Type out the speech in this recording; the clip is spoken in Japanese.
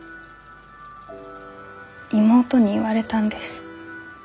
妹に言われたんです。